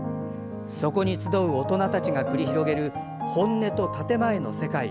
そこに集う大人たちが繰り広げる本音と建て前の世界。